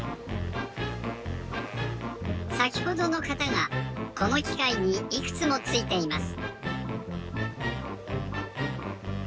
さきほどの型がこのきかいにいくつもついています。